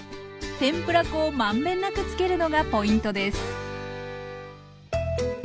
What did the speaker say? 天ぷら粉を満遍なくつけるのがポイントです。